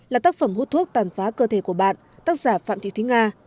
là tác phẩm hút thuốc tàn phá cơ thể của bạn tác giả phạm thị thúy nga